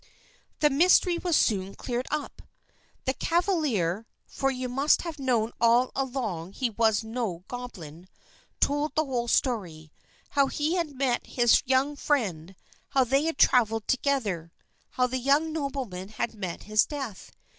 The mystery was soon cleared up. The cavalier (for you must have known all along he was no goblin) told the whole story how he had met his young friend; how they had traveled together; how the young nobleman had met his death.